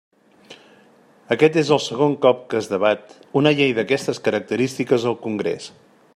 Aquest és el segon cop que es debat una llei d'aquestes característiques al Congrés.